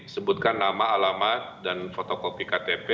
sebutkan nama alamat dan fotokopi ktp